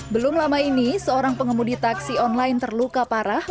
belum lama ini seorang pengemudi taksi online terluka parah